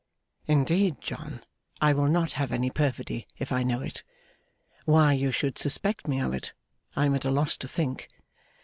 'Indeed, John, I will not have any perfidy if I know it; why you should suspect me of it I am at a loss to think.